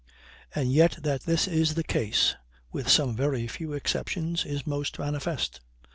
And yet that this is the case, with some very few exceptions, is most manifest.